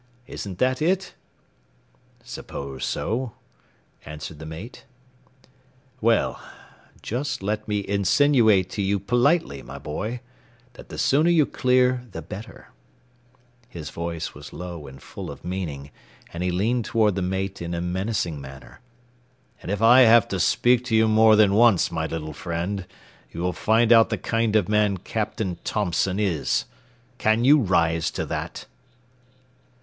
Isn't that it?" "S'pose so," answered the mate. "Well, just let me insinuate to you politely, my boy, that the sooner you clear, the better;" his voice was low and full of meaning, and he leaned toward the mate in a menacing manner; "and if I have to speak to you more than once, my little friend, you will find out the kind of man Captain Thompson is. Can you rise to that?"